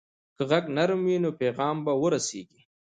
که غږ نرم وي، نو پیغام به ورسیږي.